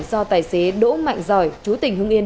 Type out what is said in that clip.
do tài xế đỗ mạnh giỏi chú tỉnh hưng yên